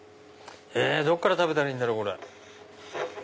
どこから食べたらいいんだろう？